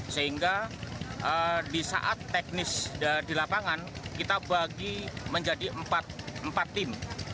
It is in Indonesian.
sehingga di saat teknis di lapangan kita bagi menjadi empat tim